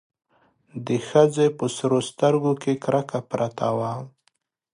د ښځې په سرو سترګو کې کرکه پرته وه.